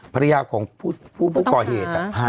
ภรรยาของผู้ก่อเหตุ